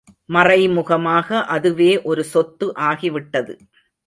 மறைமுகமாக அதுவே ஒரு சொத்து ஆகிவிட்டது.